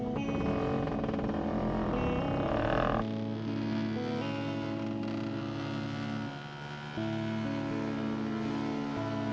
baru kepengen taw northwest times di mak stew